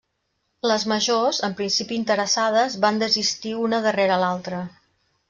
Les majors, en principi interessades, van desistir una darrere l'altre.